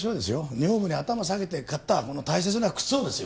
女房に頭を下げて買ったこの大切な靴をですよ